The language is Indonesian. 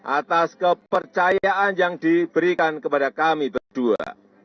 atas kepercayaan yang diberikan kepada kami berdua